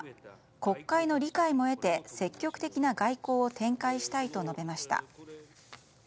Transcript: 国会の理解も得て積極的な外交を展開したいと述べました。